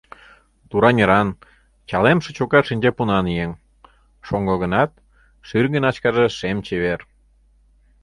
Тура неран, чалемше чока шинчапунан еҥ, шоҥго гынат, шӱргӧ начкаже шем чевер.